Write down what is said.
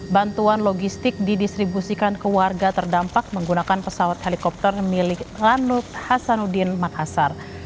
bantuan logistik didistribusikan ke warga terdampak menggunakan pesawat helikopter milik lanut hasanuddin makassar